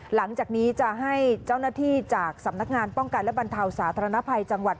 หลังจากนี้จะให้เจ้าหน้าที่จากสำนักงานป้องกันและบรรเทาสาธารณภัยจังหวัด